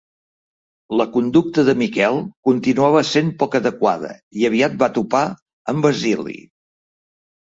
La conducta de Miquel continuava sent poc adequada i aviat va topar amb Basili.